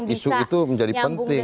isu itu menjadi penting